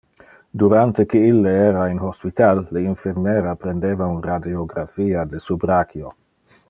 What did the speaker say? Durante que ille era in hospital, le infirmera prendeva un radiographia de su brachio.